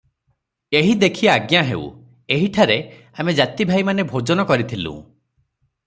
ଏହି ଦେଖି ଆଜ୍ଞାହେଉ, ଏହିଠାରେ ଆମେ ଜାତିଭାଇମାନେ ଭୋଜନ କରିଥିଲୁଁ ।